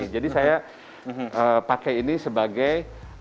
jadi saya pakai ini sebagai